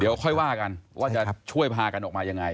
เดี๋ยวค่อยว่ากันว่าจะช่วยพากันออกมายังไง